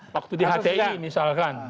waktu di hti misalkan